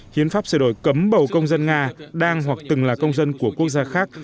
hiến pháp sửa đổi cấm bầu công dân nga đang hoặc từng là công dân của quốc gia khác